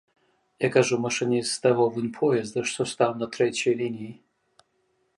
Я, кажу, машыніст з таго вунь поезда, што стаў на трэцяй лініі.